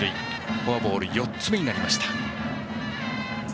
フォアボール４つ目になりました。